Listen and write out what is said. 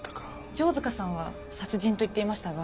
城塚さんは殺人と言っていましたが。